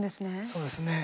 そうですね。